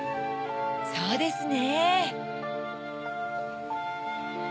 そうですね！